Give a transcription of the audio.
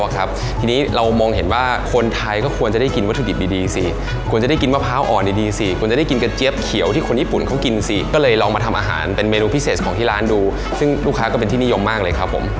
ก็เลยลองมาทำอาหารเป็นเมนูพิเศษของที่ร้านดูซึ่งลูกค้าก็เป็นที่นิยมมากเลยครับผม